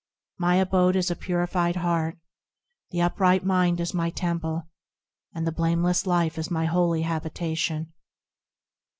My abode is a purified heart ; The upright mind is my temple ; And the blameless life is my holy habitation.